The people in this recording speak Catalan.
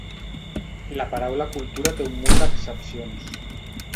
La paraula cultura té un munt d'accepcions.